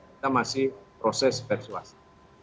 kita masih proses persuasi